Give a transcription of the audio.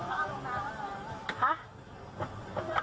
อะไรอ่ะ